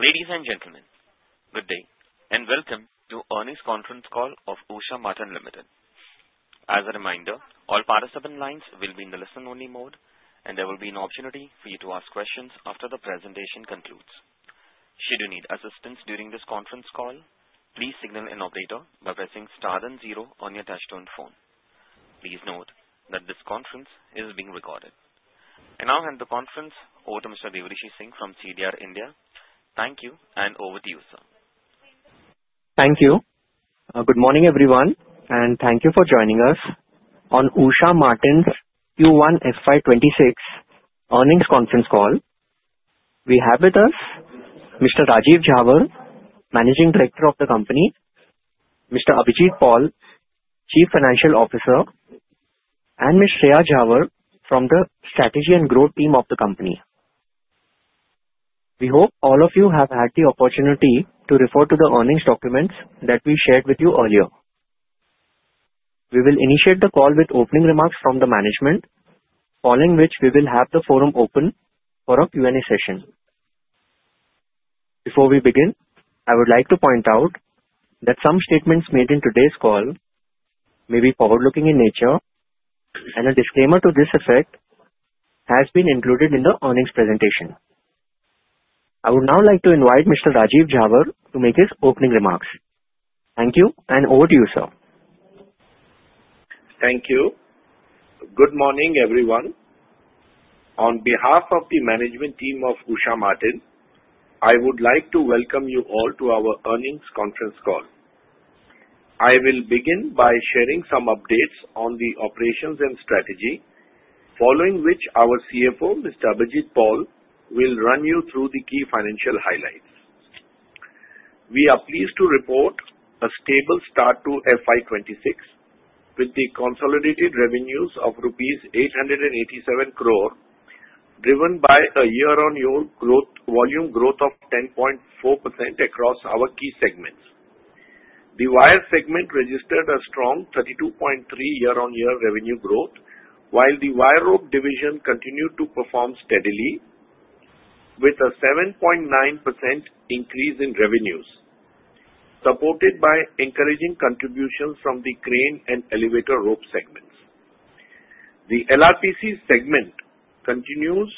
Ladies and gentlemen, good day and welcome to the earnings conference call of Usha Martin Limited. As a reminder, all participant lines will be in the listen-only mode, and there will be an opportunity for you to ask questions after the presentation concludes. Should you need assistance during this conference call, please signal an operator by pressing star then zero on your touch-tone phone. Please note that this conference is being recorded, and I'll hand the conference over to Mr. Devrishi Singh from CDR India. Thank you, and over to you, sir. Thank you. Good morning, everyone, and thank you for joining us on Usha Martin's Q1 FY 2026 earnings conference call. We have with us Mr. Rajeev Jhawar, Managing Director of the company; Mr. Abhijit Paul, Chief Financial Officer; and Ms. Shreya Jhaver from the Strategy and Growth team of the company. We hope all of you have had the opportunity to refer to the earnings documents that we shared with you earlier. We will initiate the call with opening remarks from the management, following which we will have the forum open for a Q&A session. Before we begin, I would like to point out that some statements made in today's call may be forward-looking in nature, and a disclaimer to this effect has been included in the earnings presentation. I would now like to invite Mr. Rajeev Jhawar to make his opening remarks. Thank you, and over to you, sir. Thank you. Good morning, everyone. On behalf of the management team of Usha Martin, I would like to welcome you all to our earnings conference call. I will begin by sharing some updates on the operations and strategy, following which our CFO, Mr. Abhijit Paul, will run you through the key financial highlights. We are pleased to report a stable start to FY 2026, with the consolidated revenues of rupees 887 crore, driven by a year-on-year volume growth of 10.4% across our key segments. The wire segment registered a strong 32.3% year-on-year revenue growth, while the wire rope division continued to perform steadily, with a 7.9% increase in revenues, supported by encouraging contributions from the crane and elevator rope segments. The LRPC segment continues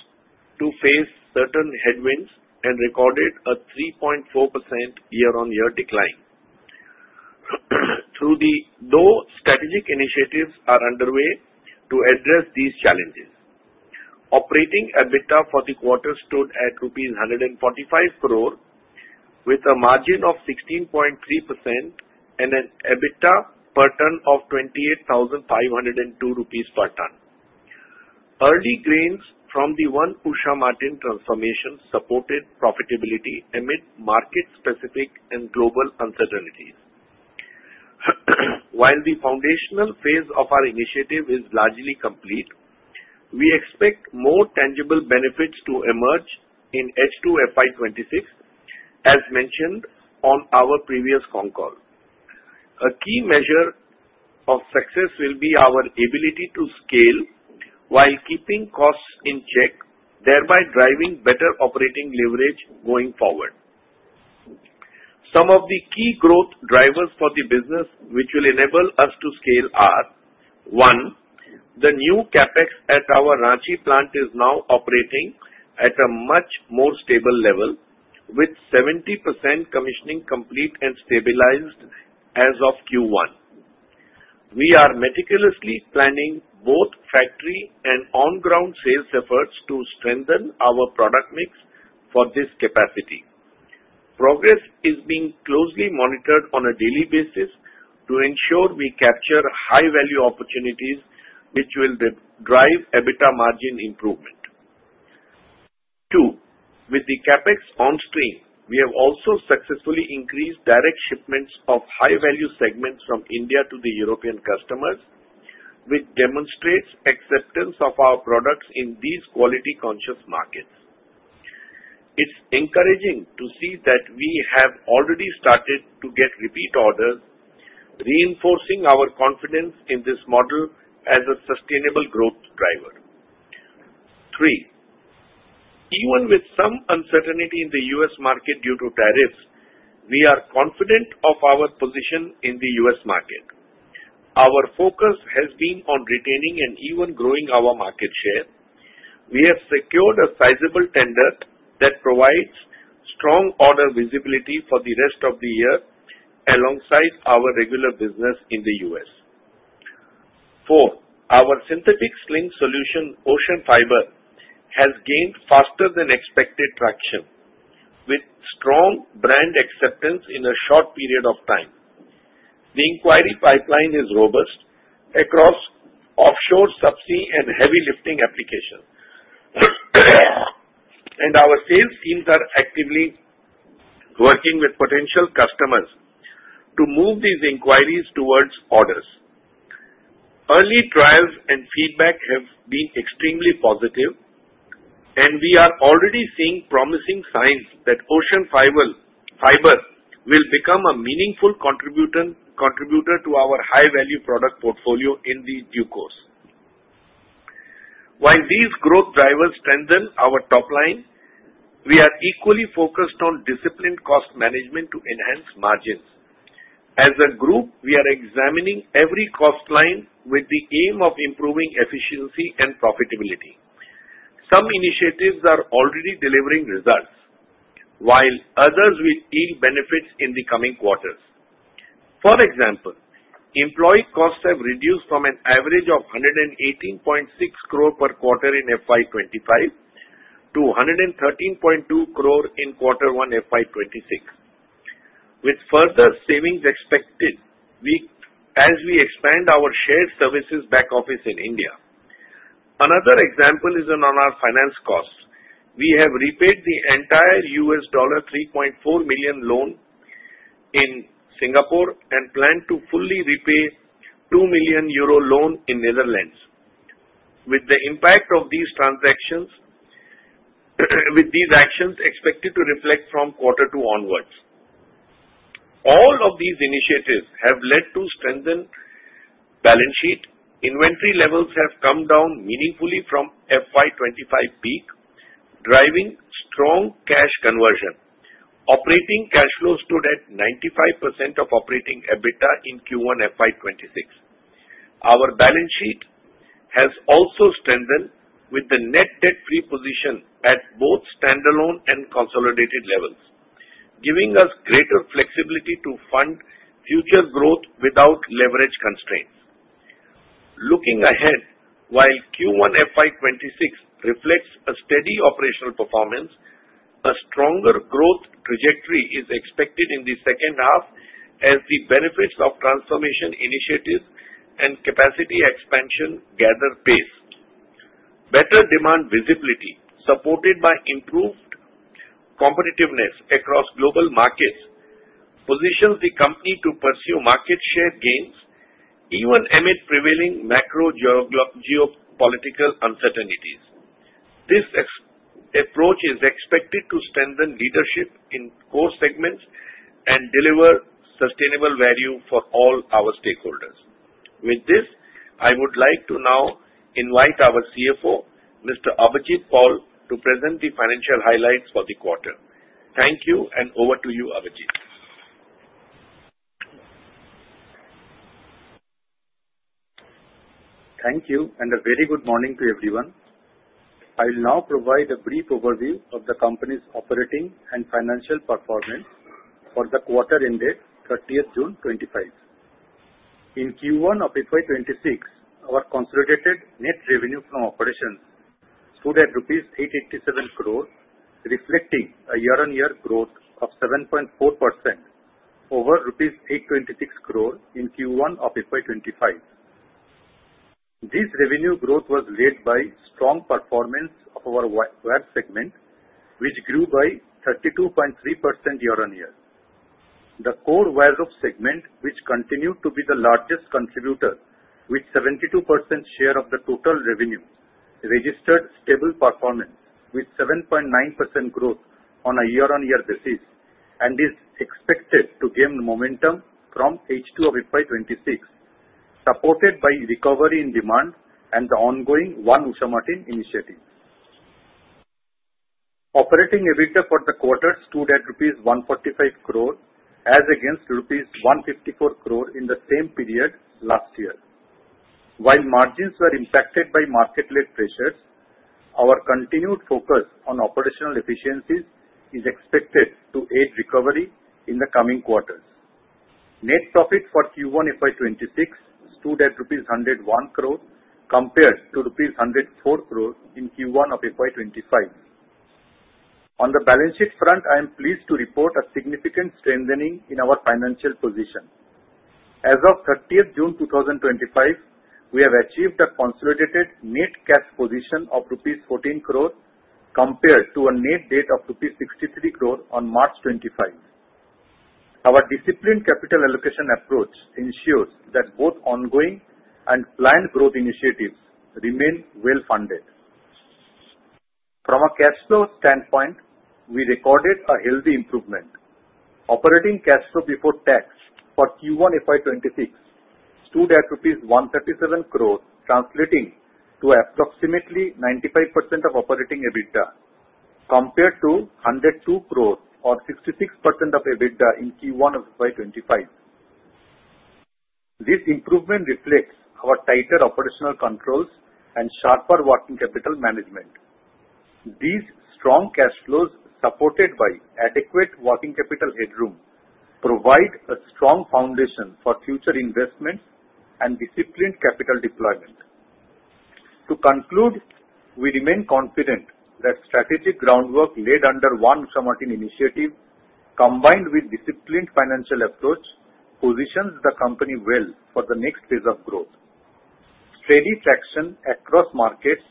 to face certain headwinds and recorded a 3.4% year-on-year decline, though strategic initiatives are underway to address these challenges. Operating EBITDA for the quarter stood at 145 crore, with a margin of 16.3% and an EBITDA per ton of 28,502 rupees per ton. Early gains from the One Usha Martin transformation supported profitability amid market-specific and global uncertainties. While the foundational phase of our initiative is largely complete, we expect more tangible benefits to emerge in H2 FY 2026, as mentioned on our previous con call. A key measure of success will be our ability to scale while keeping costs in check, thereby driving better operating leverage going forward. Some of the key growth drivers for the business which will enable us to scale are: one, the new CapEx at our Ranchi plant is now operating at a much more stable level, with 70% commissioning complete and stabilized as of Q1. We are meticulously planning both factory and on-ground sales efforts to strengthen our product mix for this capacity. Progress is being closely monitored on a daily basis to ensure we capture high-value opportunities which will drive EBITDA margin improvement. Two, with the CapEx on-stream, we have also successfully increased direct shipments of high-value segments from India to the European customers, which demonstrates acceptance of our products in these quality-conscious markets. It's encouraging to see that we have already started to get repeat orders, reinforcing our confidence in this model as a sustainable growth driver. Three, even with some uncertainty in the U.S. market due to tariffs, we are confident of our position in the U.S. market. Our focus has been on retaining and even growing our market share. We have secured a sizable tender that provides strong order visibility for the rest of the year alongside our regular business in the U.S. Four, our synthetic sling solution, OCEANFIBRE, has gained faster-than-expected traction, with strong brand acceptance in a short period of time. The inquiry pipeline is robust across offshore subsea and heavy lifting applications, and our sales teams are actively working with potential customers to move these inquiries towards orders. Early trials and feedback have been extremely positive, and we are already seeing promising signs that OCEANFIBRE will become a meaningful contributor to our high-value product portfolio in due course. While these growth drivers strengthen our top line, we are equally focused on disciplined cost management to enhance margins. As a group, we are examining every cost line with the aim of improving efficiency and profitability. Some initiatives are already delivering results, while others will yield benefits in the coming quarters. For example, employee costs have reduced from an average of 118.6 crore per quarter in FY 2025 to 113.2 crore in Q1 FY 2026, with further savings expected as we expand our shared services back office in India. Another example is on our finance costs. We have repaid the entire $3.4 million loan in Singapore and plan to fully repay 2 million euro loan in Netherlands, with the impact of these transactions expected to reflect from quarter two onwards. All of these initiatives have led to strengthened balance sheet. Inventory levels have come down meaningfully from FY 2025 peak, driving strong cash conversion. Operating cash flow stood at 95% of operating EBITDA in Q1 FY 2026. Our balance sheet has also strengthened with the net debt-free position at both standalone and consolidated levels, giving us greater flexibility to fund future growth without leverage constraints. Looking ahead, while Q1 FY 2026 reflects a steady operational performance, a stronger growth trajectory is expected in the second half as the benefits of transformation initiatives and capacity expansion gather pace. Better demand visibility, supported by improved competitiveness across global markets, positions the company to pursue market share gains even amid prevailing macro-geopolitical uncertainties. This approach is expected to strengthen leadership in core segments and deliver sustainable value for all our stakeholders. With this, I would like to now invite our CFO, Mr. Abhijit Paul, to present the financial highlights for the quarter. Thank you, and over to you, Abhijit. Thank you, and a very good morning to everyone. I will now provide a brief overview of the company's operating and financial performance for the quarter ended 30th June 2025. In Q1 of FY 2026, our consolidated net revenue from operations stood at rupees 887 crore, reflecting a year-on-year growth of 7.4% over rupees 826 crore in Q1 of FY 2025. This revenue growth was led by strong performance of our wire segment, which grew by 32.3% year-on-year. The core wire rope segment, which continued to be the largest contributor with 72% share of the total revenue, registered stable performance with 7.9% growth on a year-on-year basis and is expected to gain momentum from H2 of FY 2026, supported by recovery in demand and the ongoing One Usha Martin initiative. Operating EBITDA for the quarter stood at rupees 145 crore as against rupees 154 crore in the same period last year. While margins were impacted by market-led pressures, our continued focus on operational efficiencies is expected to aid recovery in the coming quarters. Net profit for Q1 FY 2026 stood at rupees 101 crore compared to rupees 104 crore in Q1 of FY 2025. On the balance sheet front, I am pleased to report a significant strengthening in our financial position. As of 30th June 2025, we have achieved a consolidated net cash position of rupees 14 crore compared to a net debt of rupees 63 crore on March 2025. Our disciplined capital allocation approach ensures that both ongoing and planned growth initiatives remain well-funded. From a cash flow standpoint, we recorded a healthy improvement. Operating cash flow before tax for Q1 FY 2026 stood at rupees 137 crore, translating to approximately 95% of operating EBITDA compared to 102 crore, or 66% of EBITDA in Q1 of FY 2025. This improvement reflects our tighter operational controls and sharper working capital management. These strong cash flows, supported by adequate working capital headroom, provide a strong foundation for future investments and disciplined capital deployment. To conclude, we remain confident that strategic groundwork laid under One Usha Martin initiative, combined with disciplined financial approach, positions the company well for the next phase of growth. Steady traction across markets,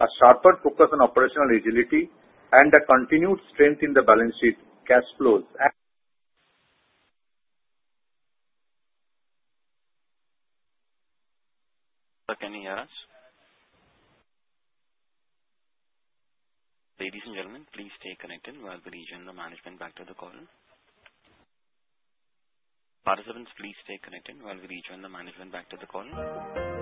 a sharper focus on operational agility, and a continued strength in the balance sheet cash flows. Any other? Ladies and gentlemen, please stay connected while we rejoin the management back to the call. Participants, please stay connected while we rejoin the management back to the call. Ladies and gentlemen,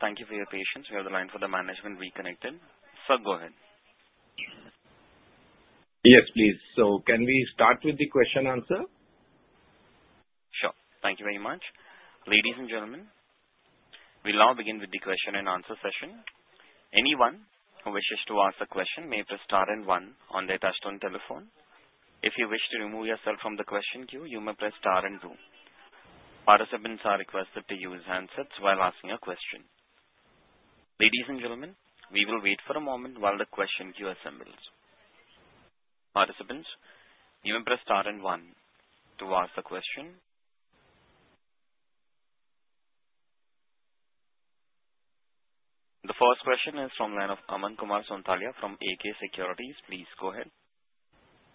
thank you for your patience. We have the line for the management reconnected. Sir, go ahead. Yes, please. So can we start with the question-answer? Sure. Thank you very much. Ladies and gentlemen, we'll now begin with the question-and-answer session. Anyone who wishes to ask a question may press star and one on their touch-tone telephone. If you wish to remove yourself from the question queue, you may press star and two. Participants are requested to use handsets while asking a question. Ladies and gentlemen, we will wait for a moment while the question queue assembles. Participants, you may press star and one to ask the question. The first question is from Aman Kumar Sonthalia from AK Securities. Please go ahead.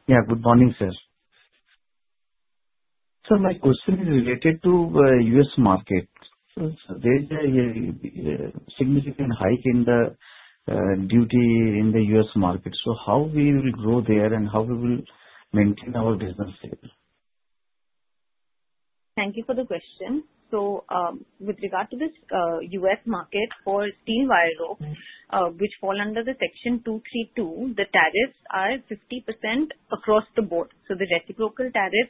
Yeah, good morning, sir. Sir, my question is related to the U.S. market. There's a significant hike in the duty in the U.S. market. So how will we grow there and how will we maintain our business there? Thank you for the question. So with regard to this U.S. market for steel wire rope, which falls under the Section 232, the tariffs are 50% across the board. So the reciprocal tariff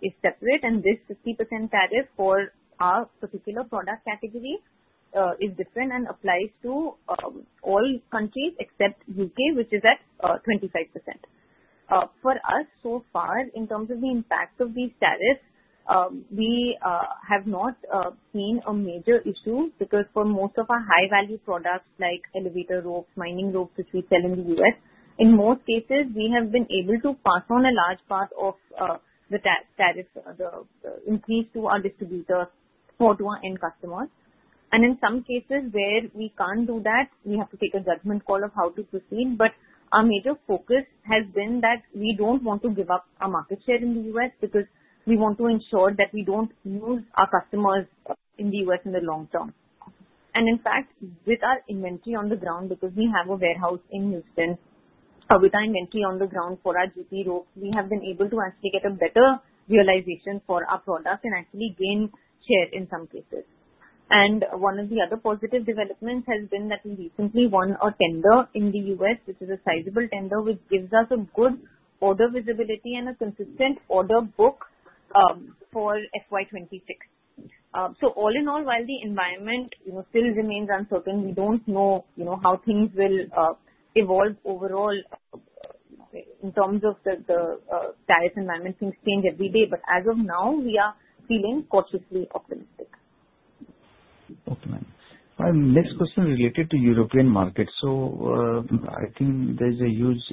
is separate, and this 50% tariff for our particular product category is different and applies to all countries except the U.K., which is at 25%. For us, so far, in terms of the impact of these tariffs, we have not seen a major issue because for most of our high-value products like elevator ropes, mining ropes, which we sell in the U.S., in most cases, we have been able to pass on a large part of the tariff increase to our distributors, Fort Wayne, and customers. And in some cases where we can't do that, we have to take a judgment call of how to proceed. But our major focus has been that we don't want to give up our market share in the U.S. because we want to ensure that we don't lose our customers in the U.S. in the long term. And in fact, with our inventory on the ground, because we have a warehouse in Houston, with our inventory on the ground for our duty ropes, we have been able to actually get a better realization for our products and actually gain share in some cases. And one of the other positive developments has been that we recently won a tender in the U.S., which is a sizable tender, which gives us a good order visibility and a consistent order book for FY 2026. So all in all, while the environment still remains uncertain, we don't know how things will evolve overall in terms of the tariff environment. Things change every day. But as of now, we are feeling cautiously optimistic. Okay. My next question is related to the European market. So I think there's a huge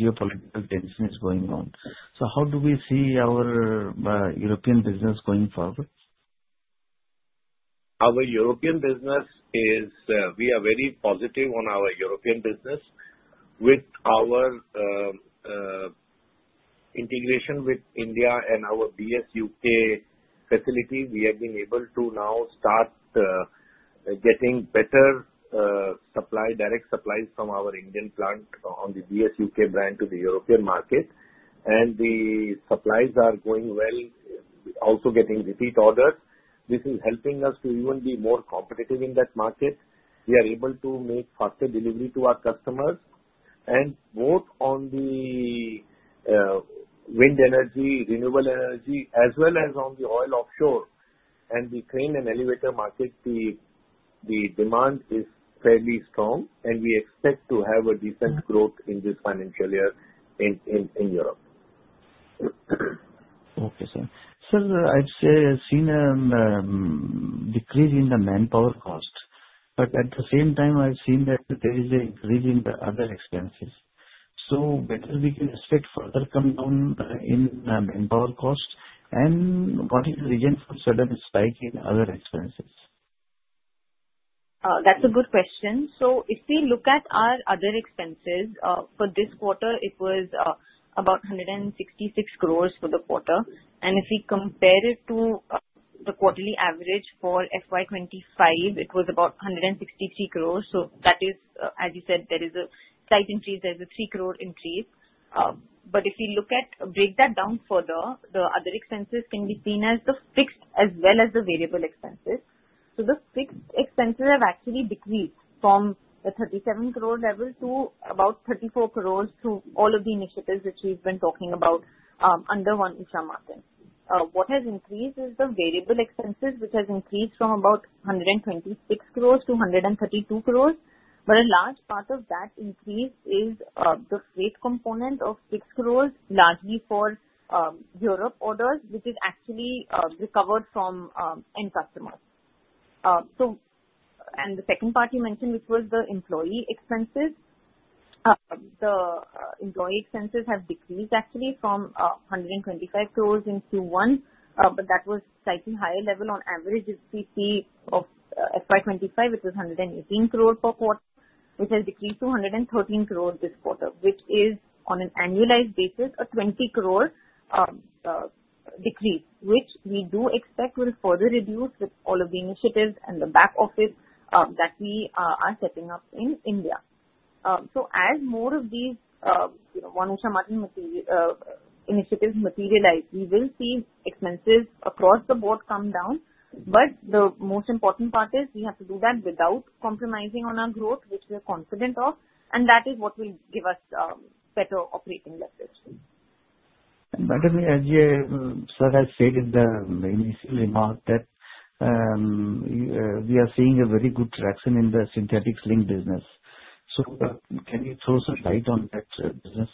geopolitical tension going on. So how do we see our European business going forward? We are very positive on our European business. With our integration with India and our BSUK facility, we have been able to now start getting better direct supplies from our Indian plant on the BSUK brand to the European market. The supplies are going well, also getting repeat orders. This is helping us to even be more competitive in that market. We are able to make faster delivery to our customers. Both on the wind energy, renewable energy, as well as on the oil and offshore and the crane and elevator market, the demand is fairly strong, and we expect to have a decent growth in this financial year in Europe. Okay, sir. Sir, I've seen a decrease in the manpower cost. But at the same time, I've seen that there is an increase in the other expenses. So whether we can expect further coming down in manpower cost and what is the reason for such a spike in other expenses? That's a good question. So if we look at our other expenses, for this quarter, it was about 166 crore for the quarter. And if we compare it to the quarterly average for FY 2025, it was about 163 crore. So that is, as you said, there is a slight increase. There's a 3 crore increase. But if we look at break that down further, the other expenses can be seen as the fixed as well as the variable expenses. So the fixed expenses have actually decreased from the 37 crore level to about 34 crore through all of the initiatives which we've been talking about under One Usha Martin. What has increased is the variable expenses, which has increased from about 126 crore-132 crore. But a large part of that increase is the freight component of 6 crore, largely for Europe orders, which is actually recovered from end customers. And the second part you mentioned, which was the employee expenses, the employee expenses have decreased actually from 125 crores in Q1. But that was slightly higher level on average if we see of FY 2025, which was 118 crores per quarter, which has decreased to 113 crores this quarter, which is on an annualized basis, a 20-crore decrease, which we do expect will further reduce with all of the initiatives and the back office that we are setting up in India. So as more of these One Usha Martin initiatives materialize, we will see expenses across the board come down. But the most important part is we have to do that without compromising on our growth, which we are confident of. And that is what will give us better operating leverage. And by the way, as you, sir, have said in the initial remark, that we are seeing a very good traction in the synthetic sling business. So can you throw some light on that business?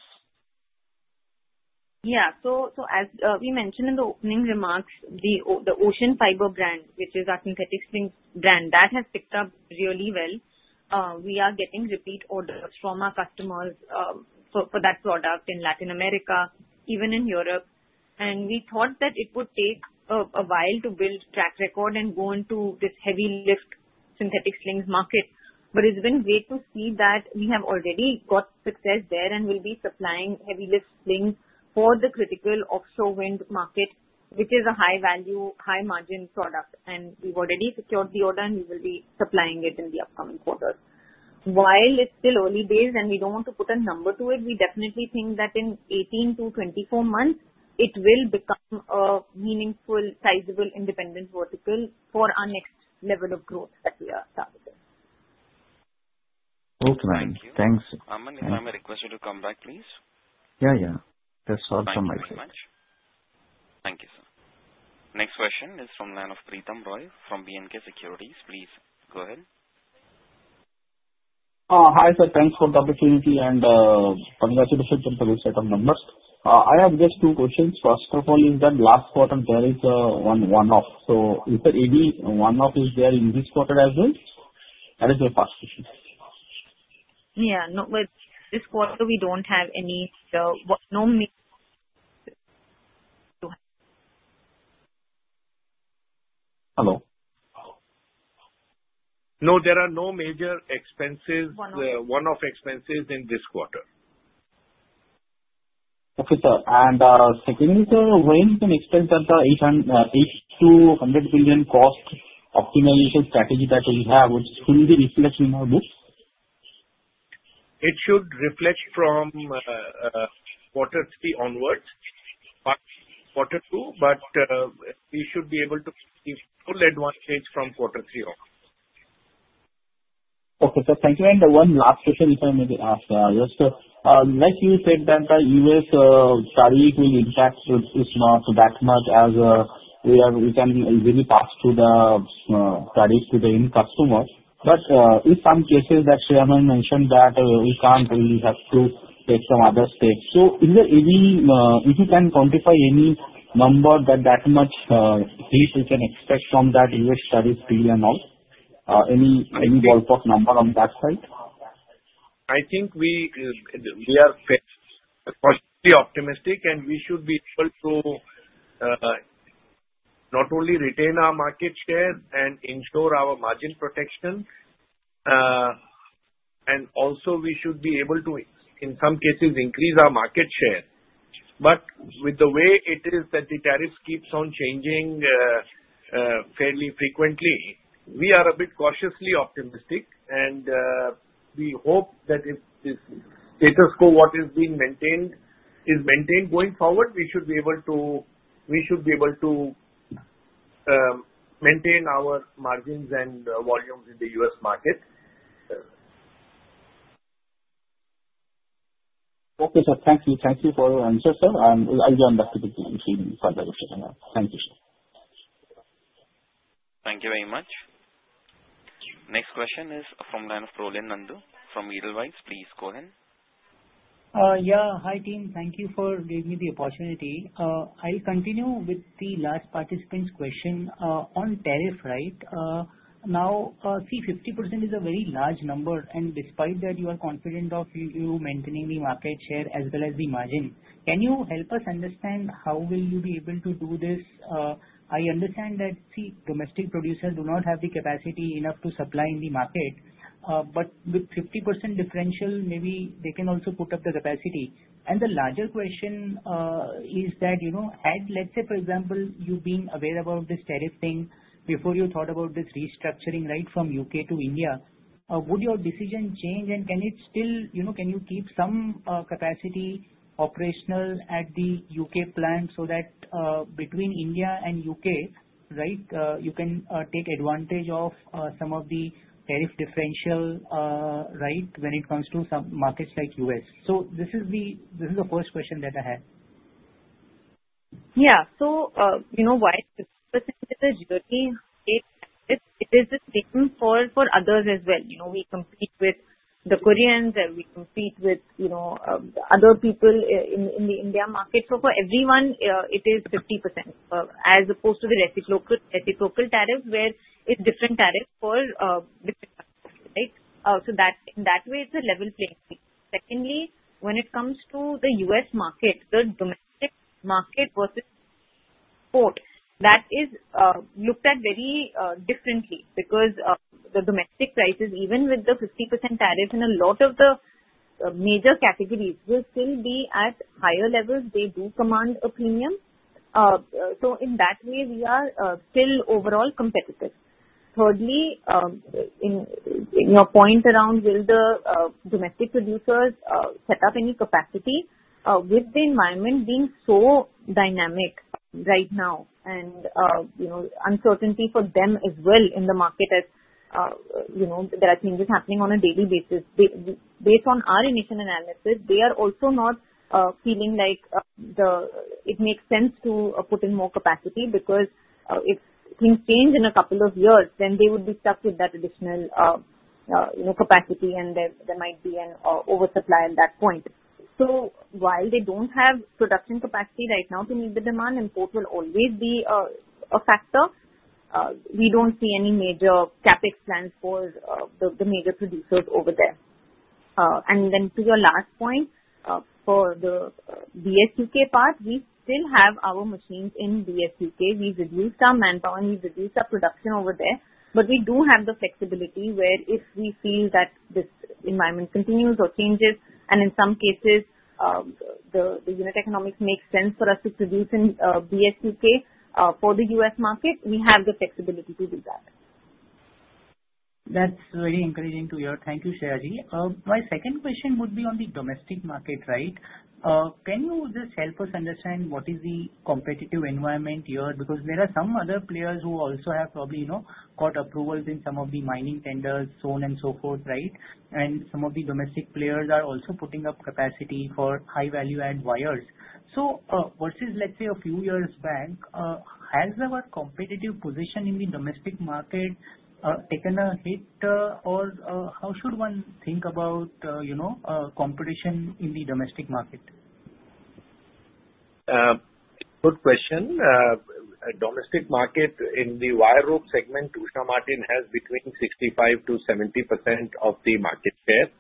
Yeah, so as we mentioned in the opening remarks, the OCEANFIBRE brand, which is our synthetic sling brand, has picked up really well. We are getting repeat orders from our customers for that product in Latin America, even in Europe, and we thought that it would take a while to build track record and go into this heavy-lift synthetic slings market, but it's been great to see that we have already got success there and will be supplying heavy-lift slings for the critical offshore wind market, which is a high-value, high-margin product, and we've already secured the order, and we will be supplying it in the upcoming quarter. While it's still early days, and we don't want to put a number to it, we definitely think that in 18-24 months, it will become a meaningful, sizable, independent vertical for our next level of growth that we are targeting. Okay. Thanks. Aman, can I have a request to come back, please? Yeah, yeah. That's all from my side. Thank you, sir. Next question is from the line of Pratim Roy from B&K Securities. Please go ahead. Hi, sir. Thanks for the opportunity and congratulations on the set of numbers. I have just two questions. First of all, in that last quarter, there is one-off? So is there any one-off there in this quarter as well? That is my first question. Yeah. No, this quarter, we don't have any. Hello? No, there are no major expenses, one-off expenses in this quarter. Okay, sir. And secondly, sir, where you can expect that the 8 billion-100 billion cost optimization strategy that we have, which should be reflected in our books? It should reflect from quarter three onwards, quarter two, but we should be able to see full advantage from quarter three on. Okay, sir. Thank you. And one last question, if I may ask. Just, like you said, that the U.S. tariff will impact is not that much as we can really pass to the tariff to the end customers. But in some cases, actually, Aman mentioned that we can't really have to take some other steps. So is there any—if you can quantify any number that that much fees we can expect from that U.S. tariff deal and all, any ballpark number on that side? I think we are fairly optimistic, and we should be able to not only retain our market share and ensure our margin protection, and also we should be able to, in some cases, increase our market share. But with the way it is that the tariffs keep on changing fairly frequently, we are a bit cautiously optimistic, and we hope that if this status quo, what is being maintained, is maintained going forward, we should be able to, we should be able to maintain our margins and volumes in the U.S. market. Okay, sir. Thank you. Thank you for your answer, sir. I'll be back to the beginning if I'm able to figure out. Thank you, sir. Thank you very much. Next question is from Prolin Nandu from Edelweiss. Please go ahead. Yeah. Hi, team. Thank you for giving me the opportunity. I'll continue with the last participant's question on tariff, right? Now, see, 50% is a very large number, and despite that, you are confident of you maintaining the market share as well as the margin. Can you help us understand how will you be able to do this? I understand that, see, domestic producers do not have the capacity enough to supply in the market, but with 50% differential, maybe they can also put up the capacity. And the larger question is that, let's say, for example, you being aware about this tariff thing before you thought about this restructuring, right, from U.K. to India, would your decision change? Can you keep some capacity operational at the U.K. plant so that between India and U.K., right, you can take advantage of some of the tariff differential, right, when it comes to some markets like U.S.? This is the first question that I have. Yeah. So why specifically the U.K.? It is the same for others as well. We compete with the Koreans, and we compete with other people in the India market. So for everyone, it is 50% as opposed to the reciprocal tariff, where it's different tariff for different countries, right? So in that way, it's a level playing. Secondly, when it comes to the U.S. market, the domestic market versus import, that is looked at very differently because the domestic prices, even with the 50% tariff in a lot of the major categories, will still be at higher levels. They do command a premium. So in that way, we are still overall competitive. Thirdly, in your point around, will the domestic producers set up any capacity with the environment being so dynamic right now and uncertainty for them as well in the market as there are changes happening on a daily basis? Based on our initial analysis, they are also not feeling like it makes sense to put in more capacity because if things change in a couple of years, then they would be stuck with that additional capacity, and there might be an oversupply at that point. So while they don't have production capacity right now to meet the demand, import will always be a factor. We don't see any major CapEx plans for the major producers over there. And then to your last point, for the BSUK part, we still have our machines in BSUK. We've reduced our manpower, and we've reduced our production over there. But we do have the flexibility where if we feel that this environment continues or changes, and in some cases, the unit economics makes sense for us to produce in BSUK for the U.S. market, we have the flexibility to do that. That's very encouraging to hear. Thank you, Shreya. My second question would be on the domestic market, right? Can you just help us understand what is the competitive environment here? Because there are some other players who also have probably got approvals in some of the mining tenders, so on and so forth, right? And some of the domestic players are also putting up capacity for high-value-add wires. So versus, let's say, a few years back, has our competitive position in the domestic market taken a hit, or how should one think about competition in the domestic market? Good question. Domestic market in the wire rope segment, Usha Martin has between 65%-70% of the market share,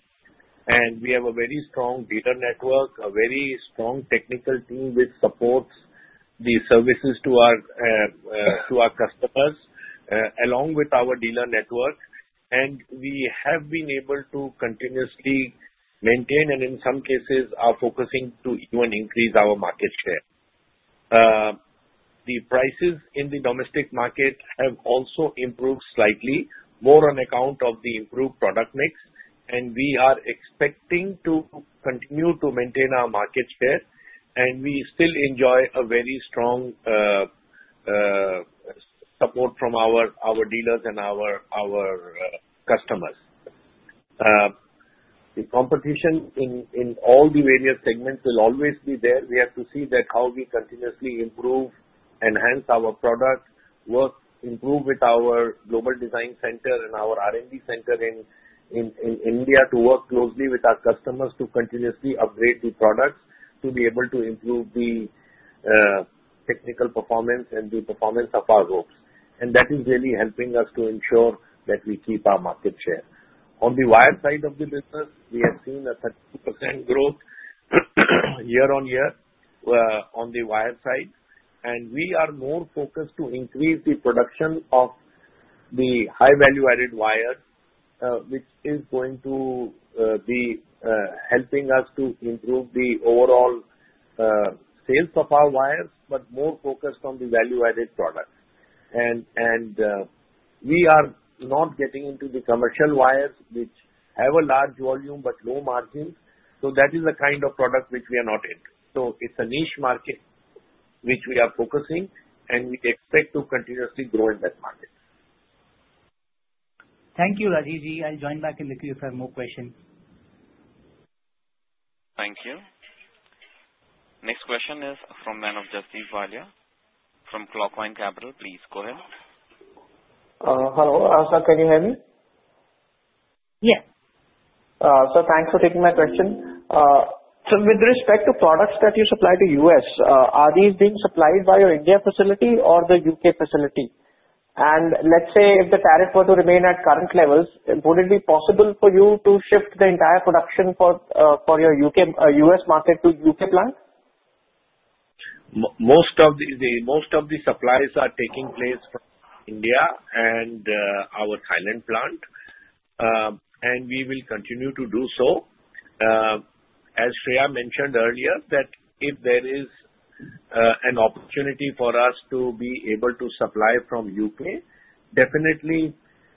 and we have a very strong dealer network, a very strong technical team which supports the services to our customers along with our dealer network, and we have been able to continuously maintain, and in some cases, are focusing to even increase our market share. The prices in the domestic market have also improved slightly, more on account of the improved product mix, and we are expecting to continue to maintain our market share, and we still enjoy a very strong support from our dealers and our customers. The competition in all the various segments will always be there. We have to see that how we continuously improve, enhance our product, improve with our global design center and our R&D center in India to work closely with our customers to continuously upgrade the products to be able to improve the technical performance and the performance of our ropes. And that is really helping us to ensure that we keep our market share. On the wire side of the business, we have seen a 30% growth year-on-year on the wire side. And we are more focused to increase the production of the high-value-added wires, which is going to be helping us to improve the overall sales of our wires, but more focused on the value-added product. And we are not getting into the commercial wires, which have a large volume but low margins. So that is the kind of product which we are not in. It's a niche market which we are focusing, and we expect to continuously grow in that market. Thank you, Rajeev. I'll join back in the queue if I have more questions. Thank you. Next question is from Jasdeep Walia from Clockvine Capital. Please go ahead. Hello. Sir, can you hear me? Yes. Sir, thanks for taking my question. So with respect to products that you supply to U.S., are these being supplied by your India facility or the U.K. facility? And let's say if the tariff were to remain at current levels, would it be possible for you to shift the entire production for your U.S. market to U.K. plant? Most of the supplies are taking place from India and our Thailand plant. We will continue to do so. As Shreya mentioned earlier, that if there is an opportunity for us to be able to supply from U.K., definitely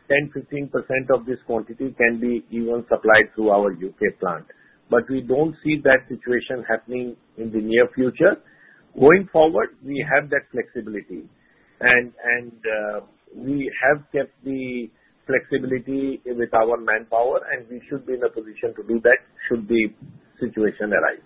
10%-15% of this quantity can be even supplied through our U.K. plant. But we don't see that situation happening in the near future. Going forward, we have that flexibility. We have kept the flexibility with our manpower, and we should be in a position to do that should the situation arise.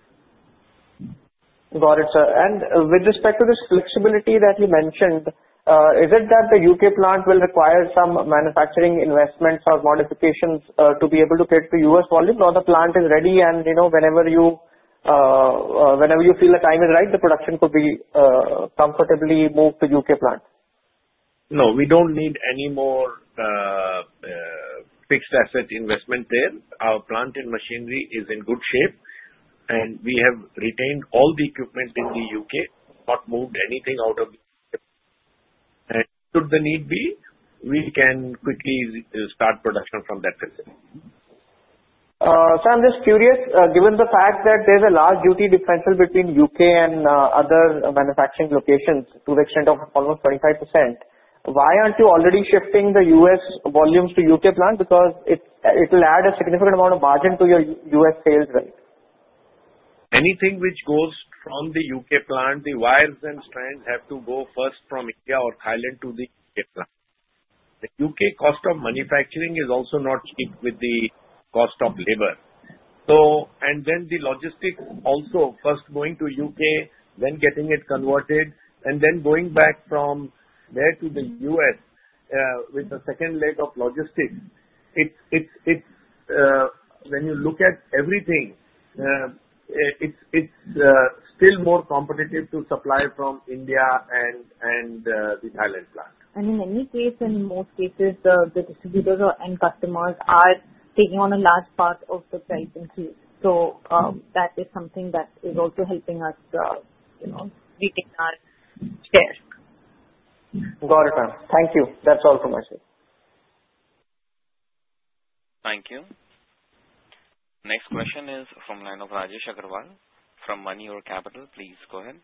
Got it, sir. And with respect to this flexibility that you mentioned, is it that the U.K. plant will require some manufacturing investments or modifications to be able to get to U.S. volume, or the plant is ready, and whenever you feel the time is right, the production could be comfortably moved to U.K. plant? No, we don't need any more fixed asset investment there. Our plant and machinery is in good shape, and we have retained all the equipment in the U.K., not moved anything out of the U.K. And should the need be, we can quickly start production from that facility. Sir, I'm just curious, given the fact that there's a large duty differential between U.K. and other manufacturing locations to the extent of almost 25%, why aren't you already shifting the U.S. volumes to U.K. plant? Because it will add a significant amount of margin to your U.S. sales, right? Anything which goes from the U.K. plant, the wires and strands have to go first from India or Thailand to the U.K. plant. The U.K. cost of manufacturing is also not cheap with the cost of labor. And then the logistics also first going to U.K., then getting it converted, and then going back from there to the U.S. with the second leg of logistics. When you look at everything, it's still more competitive to supply from India and the Thailand plant. In any case, in most cases, the distributors and customers are taking on a large part of the price increase. That is something that is also helping us retain our share. Got it, sir. Thank you. That's all from my side. Thank you. Next question is from Rajesh Agarwal from Moneyore Capital. Please go ahead.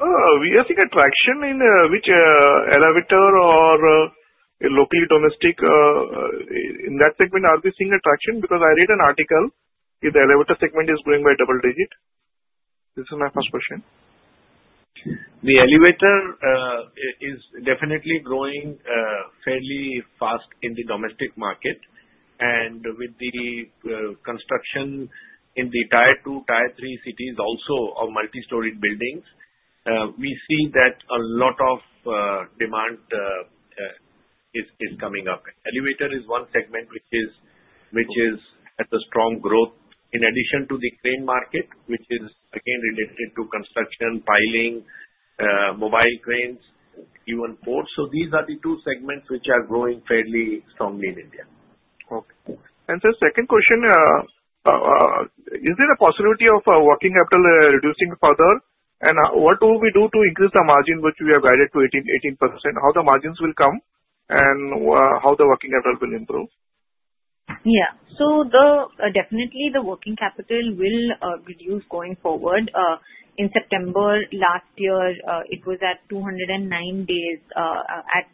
We are seeing traction in the elevator or local domestic in that segment. Are we seeing traction? Because I read an article that the elevator segment is growing by double-digit. This is my first question. The elevator is definitely growing fairly fast in the domestic market. And with the construction in the Tier 2, Tier 3 cities also of multi-storied buildings, we see that a lot of demand is coming up. Elevator is one segment which is at a strong growth in addition to the crane market, which is again related to construction, piling, mobile cranes, even ports. So these are the two segments which are growing fairly strongly in India. Okay. And sir, second question, is there a possibility of working capital reducing further? And what will we do to increase the margin which we have guided to 18%? How the margins will come and how the working capital will improve? Yeah, so definitely the working capital will reduce going forward. In September last year, it was at 209 days at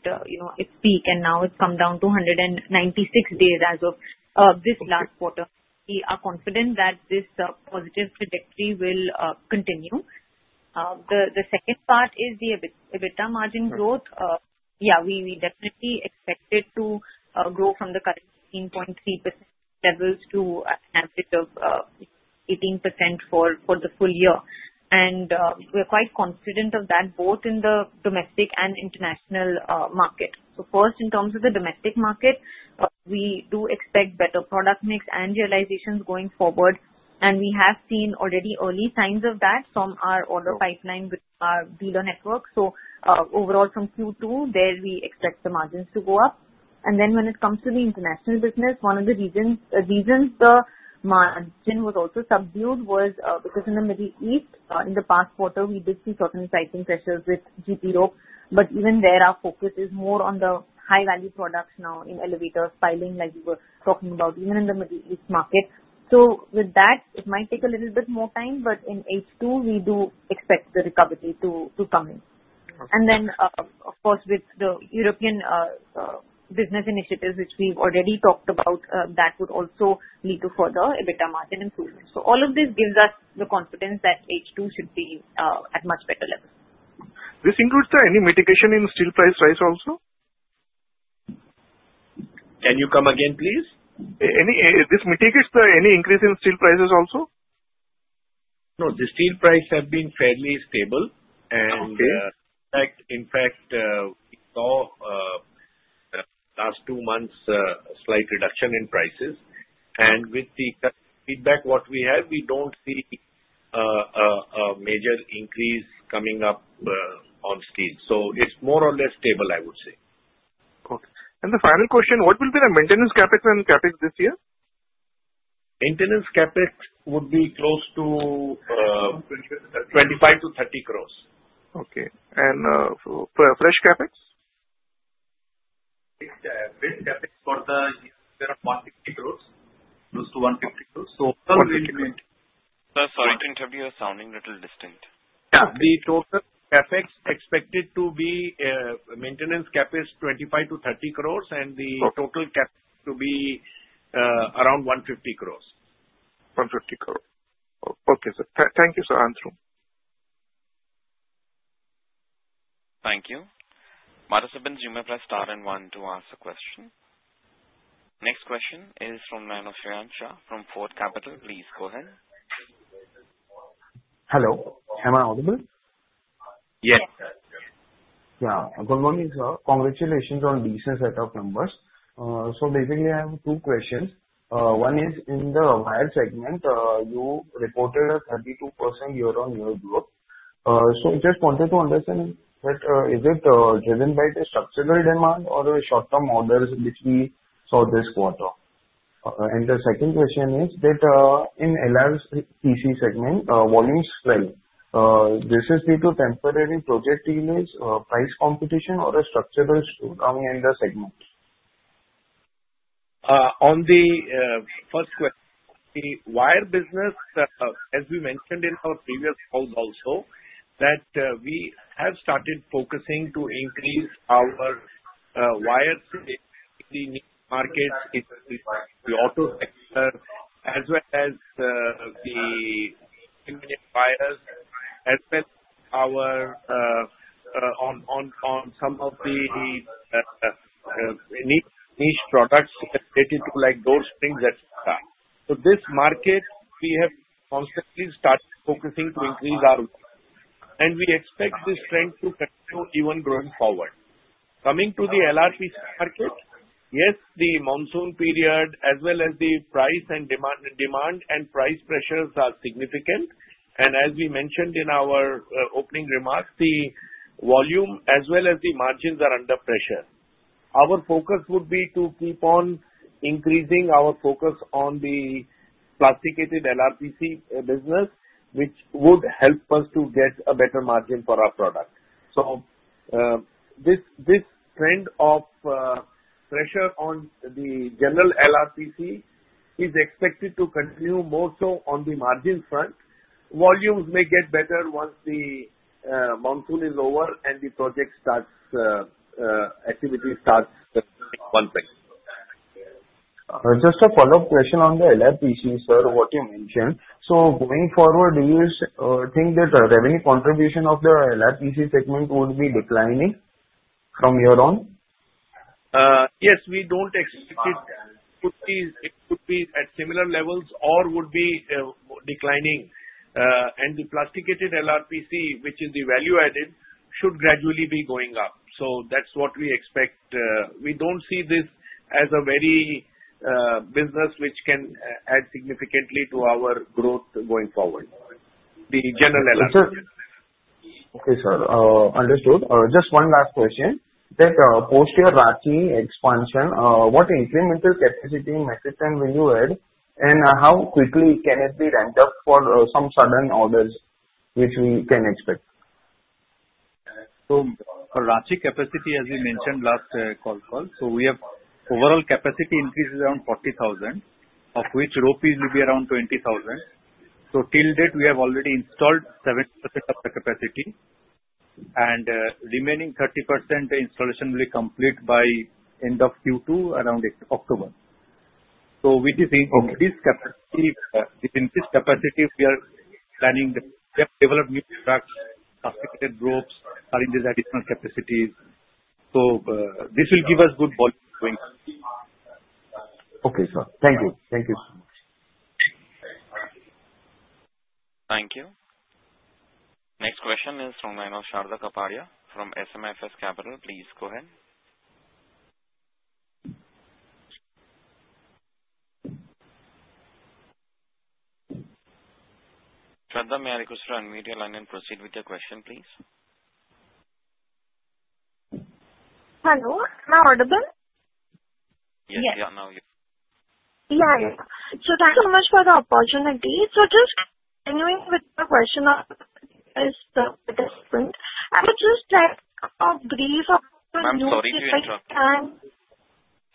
its peak, and now it's come down to 196 days as of this last quarter. We are confident that this positive trajectory will continue. The second part is the EBITDA margin growth. Yeah, we definitely expect it to grow from the current 18.3% levels to an average of 18% for the full year, and we're quite confident of that both in the domestic and international market, so first, in terms of the domestic market, we do expect better product mix and realizations going forward. And we have seen already early signs of that from our order pipeline with our dealer network, so overall, from Q2, there we expect the margins to go up. And then when it comes to the international business, one of the reasons the margin was also subdued was because in the Middle East, in the past quarter, we did see certain pricing pressures with GP rope. But even there, our focus is more on the high-value products now in elevators, piling, like we were talking about, even in the Middle East market. So with that, it might take a little bit more time, but in H2, we do expect the recovery to come in. And then, of course, with the European business initiatives, which we've already talked about, that would also lead to further EBITDA margin improvement. So all of this gives us the confidence that H2 should be at much better levels. This includes, sir, any mitigation in steel price rise also? Can you come again, please? This mitigates, sir, any increase in steel prices also? No, the steel price has been fairly stable, and in fact, we saw last two months a slight reduction in prices, and with the feedback what we have, we don't see a major increase coming up on steel, so it's more or less stable, I would say. Okay. And the final question, what will be the maintenance CapEx and CapEx this year? Maintenance CapEx would be close to 25 crores-30 crores. Okay. And fresh CapEx? Fresh CapEx for the year is around INR 150 crores, close to INR 150 crores. So overall, we will. Sir, sorry to interrupt you, you're sounding a little distant. Yeah. The total CapEx expected to be maintenance CapEx 25 crores-30 crores, and the total CapEx to be around 150 crores. 150 crores. Okay, sir. Thank you, sir. Thank you. Madhusudan's Zoom app has started and wanted to ask a question. Next question is from Shreyansh Shah from Fort Capital. Please go ahead. Hello. Am I audible? Yes. Yeah. Good morning, sir. Congratulations on the decent set of numbers. So basically, I have two questions. One is in the wire segment, you reported a 32% year-on-year growth. So I just wanted to understand, is it driven by the structural demand or the short-term orders which we saw this quarter? And the second question is that in LRPC segment, volumes fell. This is due to temporary project delays, price competition, or a structural slowdown in the segment? On the first question, the wire business, as we mentioned in our previous calls also, that we have started focusing to increase our wires in the markets, the auto sector, as well as the wires, as well as our on some of the niche products related to like door springs, etc. So this market, we have constantly started focusing to increase our wires, and we expect this trend to continue even going forward. Coming to the LRPC market, yes, the monsoon period, as well as the price and demand and price pressures are significant, and as we mentioned in our opening remarks, the volume as well as the margins are under pressure. Our focus would be to keep on increasing our focus on the plasticated LRPC business, which would help us to get a better margin for our product. So this trend of pressure on the general LRPC is expected to continue more so on the margin front. Volumes may get better once the monsoon is over and the project activity starts one thing. Just a follow-up question on the LRPC, sir, what you mentioned. So going forward, do you think that the revenue contribution of the LRPC segment would be declining from year-on? Yes, we don't expect it. It could be at similar levels or would be declining. And the plasticated LRPC, which is the value-added, should gradually be going up. So that's what we expect. We don't see this as a very business which can add significantly to our growth going forward, the general LRPC. Okay, sir. Understood. Just one last question. That post-year Ranchi expansion, what incremental capacity metrics and value add, and how quickly can it be ramped up for some sudden orders which we can expect? Ranchi capacity, as we mentioned last call, so we have overall capacity increases around 40,000, of which rope will be around 20,000. Till date, we have already installed 70% of the capacity, and remaining 30% installation will be complete by end of Q2, around October. With this capacity, within this capacity, we are planning to develop new strands, plasticated ropes, arrange these additional capacities. This will give us good volume going forward. Okay, sir. Thank you. Thank you so much. Thank you. Next question is from Shraddha Kapadia from SMIFS Capital. Please go ahead. Shraddha, may I request to unmute your line and proceed with your question, please? Hello. Am I audible? Yes. Yeah, now yes. Yeah, yeah. So thank you so much for the opportunity. So just continuing with my question on the participant, I would just like a brief opportunity to say. I'm sorry to interrupt.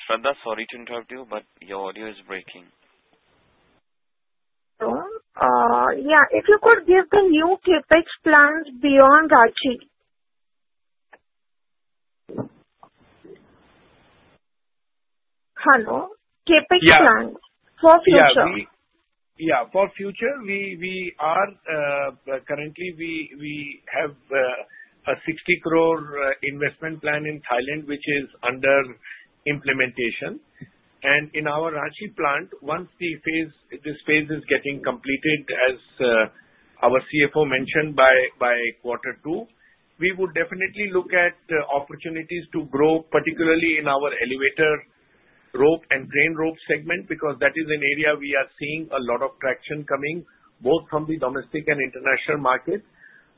Shraddha, sorry to interrupt you, but your audio is breaking. Yeah. If you could give the new CapEx plans beyond Ranchi. Hello. CapEx plans for future. Yeah. For the future, we currently have an 60 crore investment plan in Thailand, which is under implementation. In our Ranchi plant, once this phase is getting completed, as our CFO mentioned by quarter two, we would definitely look at opportunities to grow, particularly in our elevator rope and crane rope segment, because that is an area we are seeing a lot of traction coming, both from the domestic and international market.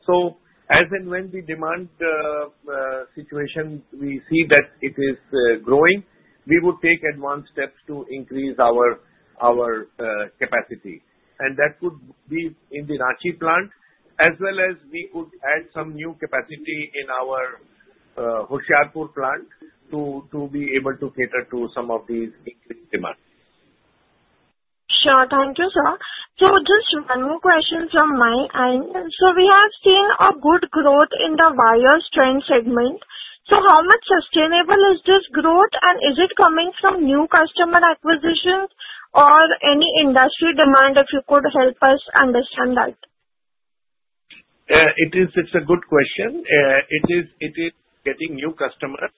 So as and when the demand situation, we see that it is growing, we would take advanced steps to increase our capacity. That would be in the Ranchi plant, as well as we could add some new capacity in our Hoshiarpur plant to be able to cater to some of these increased demand. Sure. Thank you, sir. So just one more question from my end. So we have seen a good growth in the wire rope segment. So how much sustainable is this growth, and is it coming from new customer acquisition or any industry demand, if you could help us understand that? It's a good question. It is getting new customers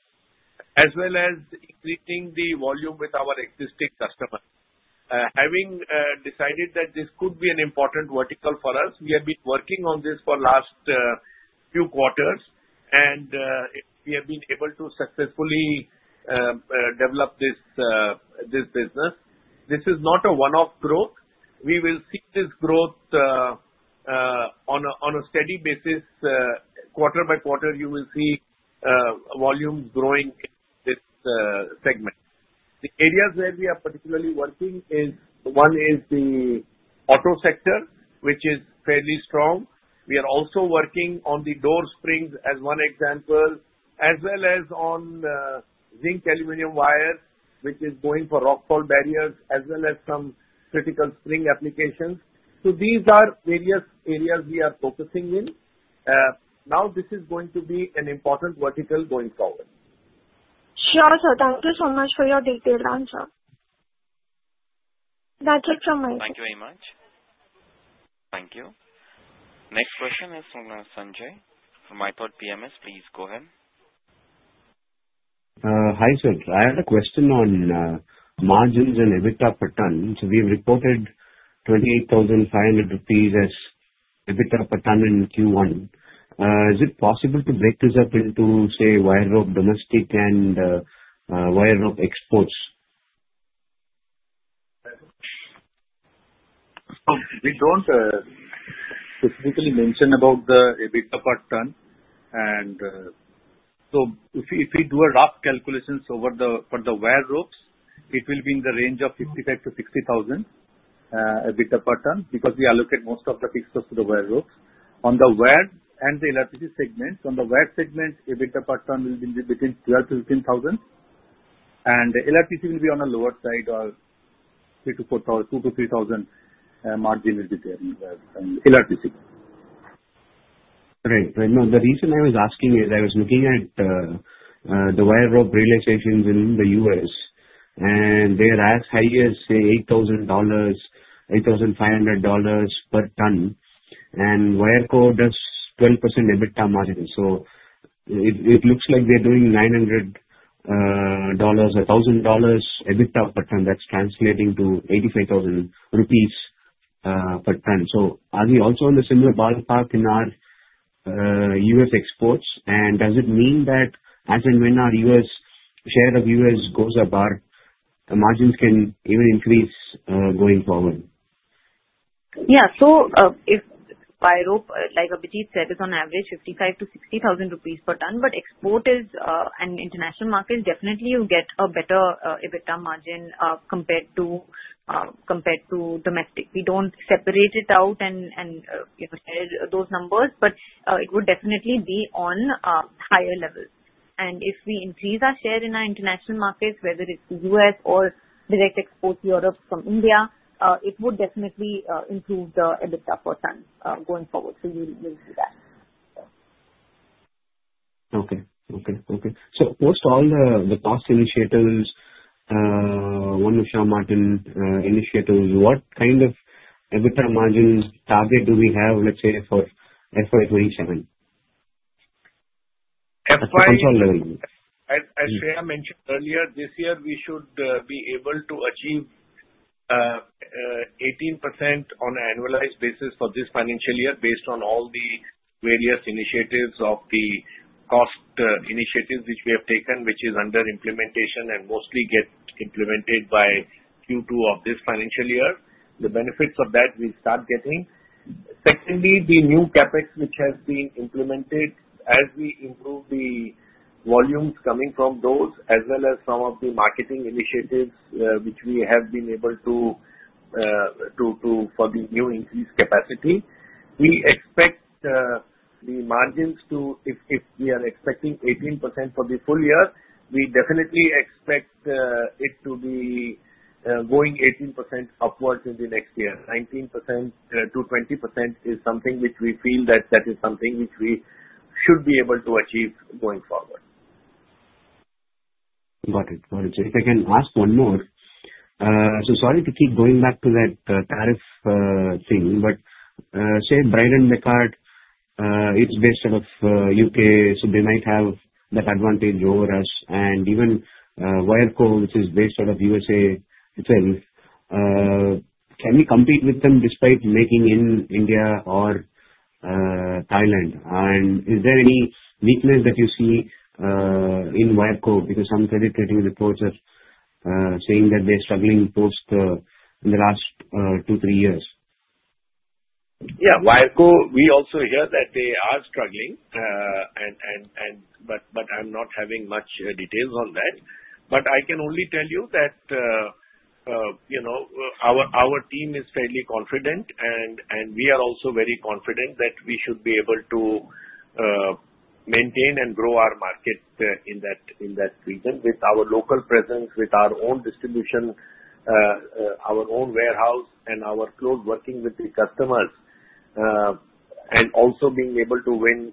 as well as increasing the volume with our existing customers. Having decided that this could be an important vertical for us, we have been working on this for the last few quarters, and we have been able to successfully develop this business. This is not a one-off growth. We will see this growth on a steady basis. Quarter by quarter, you will see volume growing in this segment. The areas where we are particularly working is one is the auto sector, which is fairly strong. We are also working on the door springs as one example, as well as on zinc aluminum wire, which is going for rockfall barriers, as well as some critical spring applications. So these are various areas we are focusing in. Now, this is going to be an important vertical going forward. Sure, sir. Thank you so much for your detailed answer. That's it from my side. Thank you very much. Thank you. Next question is from Sanjay. From ithoughtpms, please go ahead. Hi, sir. I had a question on margins and EBITDA per ton. So we've reported 28,500 rupees as EBITDA per ton in Q1. Is it possible to break this up into, say, wire rope domestic and wire rope exports? We don't specifically mention about the EBITDA per ton. And so if we do a rough calculations for the wire ropes, it will be in the range of 55,000-60,000 EBITDA per ton because we allocate most of the fixed cost to the wire ropes. On the wire and the LRPC segment, on the wire segment, EBITDA per ton will be between 12,000-15,000. And LRPC will be on the lower side of 2,000-3,000 margin will be there in LRPC. Right. Right. No, the reason I was asking is I was looking at the wire rope realizations in the U.S., and they are as high as, say, $8,500 per ton. And WireCo does 12% EBITDA margin. So it looks like they're doing $1,000 EBITDA per ton. That's translating to 85,000 rupees per ton. So are we also in the similar ballpark in our U.S. exports? And does it mean that as and when our U.S. share of U.S. goes above, margins can even increase going forward? Yeah, so if wire rope, like Abhijit said, is on average 55,000-60,000 rupees per ton, but export is an international market, definitely you get a better EBITDA margin compared to domestic. We don't separate it out and share those numbers, but it would definitely be on higher levels, and if we increase our share in our international markets, whether it's U.S. or direct export to Europe from India, it would definitely improve the EBITDA per ton going forward, so we will do that. So, post all the cost initiatives, One Usha Martin initiatives, what kind of EBITDA margin target do we have, let's say, for FY 2027? At controlled level. As Shreya mentioned earlier, this year, we should be able to achieve 18% on an annualized basis for this financial year based on all the various initiatives of the cost initiatives which we have taken, which is under implementation and mostly gets implemented by Q2 of this financial year. The benefits of that we start getting. Secondly, the new CapEx which has been implemented as we improve the volumes coming from those, as well as some of the marketing initiatives which we have been able to for the new increased capacity. We expect the margins to, if we are expecting 18% for the full year, we definitely expect it to be going 18% upwards in the next year. 19%-20% is something which we feel that that is something which we should be able to achieve going forward. Got it. Got it. If I can ask one more, so sorry to keep going back to that tariff thing, but say, Bridon-Bekaert, it's based out of U.K., so they might have that advantage over us. And even WireCo, which is based out of USA itself, can we compete with them despite making in India or Thailand? And is there any weakness that you see in WireCo because some credit rating reports are saying that they're struggling in the last two, three years? Yeah. WireCo, we also hear that they are struggling, but I'm not having much details on that. But I can only tell you that our team is fairly confident, and we are also very confident that we should be able to maintain and grow our market in that region with our local presence, with our own distribution, our own warehouse, and our close working with the customers, and also being able to win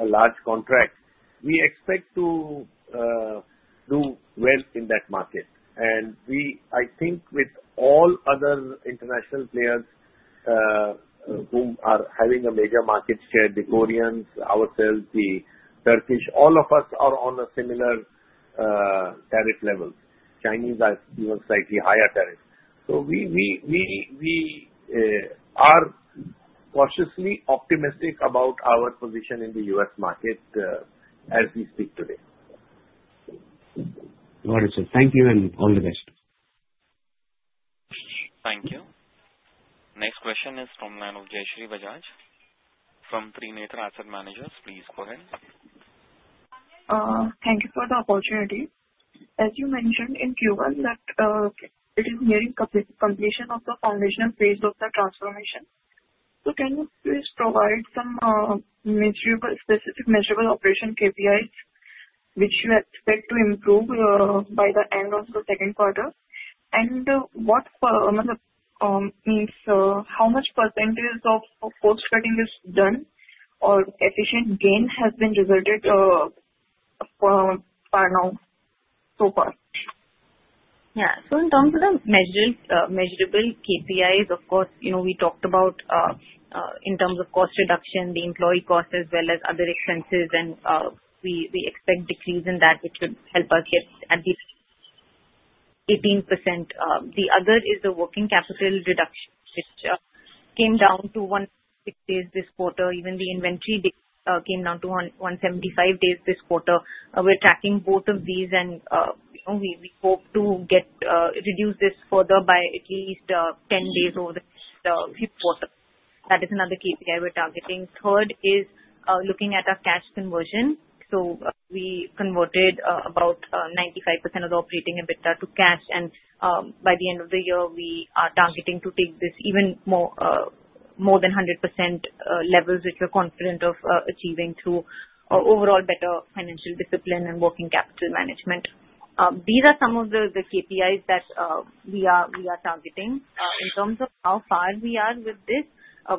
a large contract. We expect to do well in that market. And I think with all other international players who are having a major market share, the Koreans, ourselves, the Turkish, all of us are on a similar tariff level. Chinese are giving slightly higher tariffs. So we are cautiously optimistic about our position in the U.S. market as we speak today. Got it, sir. Thank you and all the best. Thank you. Next question is from Jaishree Bajaj from Purnartha Investment Advisers. Please go ahead. Thank you for the opportunity. As you mentioned in Q1, that it is nearing completion of the foundational phase of the transformation. So can you please provide some specific measurable operational KPIs which you expect to improve by the end of the second quarter? And what means how much percentage of cost-cutting is done or efficiency gain has been resulted so far? Yeah, so in terms of the measurable KPIs, of course, we talked about in terms of cost reduction, the employee cost as well as other expenses, and we expect decrease in that, which would help us get at least 18%. The other is the working capital reduction, which came down to 160 days this quarter. Even the inventory came down to 175 days this quarter. We're tracking both of these, and we hope to reduce this further by at least 10 days over the next quarter. That is another KPI we're targeting. Third is looking at our cash conversion, so we converted about 95% of the operating EBITDA to cash, and by the end of the year, we are targeting to take this even more than 100% levels, which we're confident of achieving through overall better financial discipline and working capital management. These are some of the KPIs that we are targeting. In terms of how far we are with this,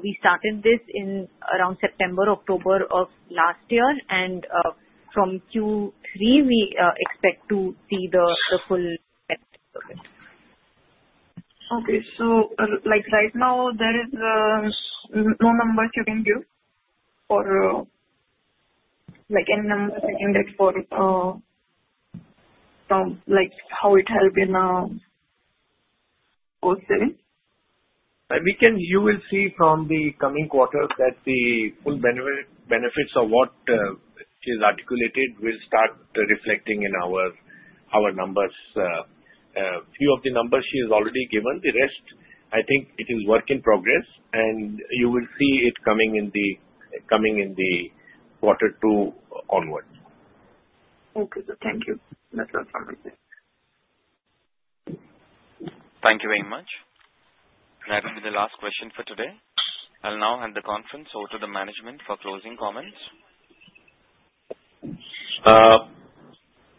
we started this in around September, October of last year, and from Q3, we expect to see the full effect of it. Okay. So right now, there is no numbers you can give or any numbers you can get for how it help in post-selling? You will see from the coming quarter that the full benefits of what is articulated will start reflecting in our numbers. A few of the numbers she has already given. The rest, I think it is work in progress, and you will see it coming in the quarter two onward. Okay. Thank you. That's all from my side. Thank you very much. That will be the last question for today. I'll now hand the conference over to the management for closing comments.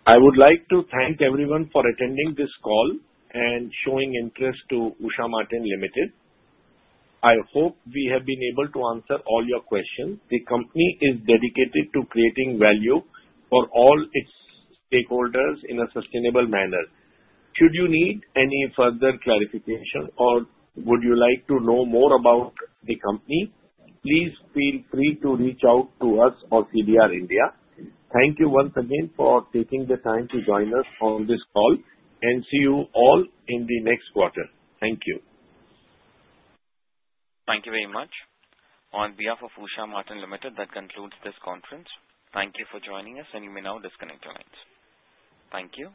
I would like to thank everyone for attending this call and showing interest to Usha Martin Limited. I hope we have been able to answer all your questions. The company is dedicated to creating value for all its stakeholders in a sustainable manner. Should you need any further clarification or would you like to know more about the company, please feel free to reach out to us or CDR India. Thank you once again for taking the time to join us on this call, and see you all in the next quarter. Thank you. Thank you very much. On behalf of Usha Martin Limited, that concludes this conference. Thank you for joining us, and you may now disconnect your lines. Thank you.